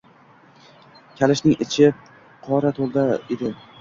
Kalishning ichi qorga to‘la edi.